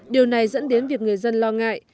điều này dẫn đến việc người dân lo ngại